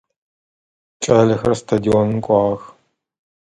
Кӏалэхэр стадионым кӏуагъэх.